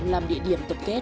làm địa điểm tập kết